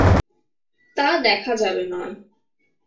তা দেখা যাবে নয়।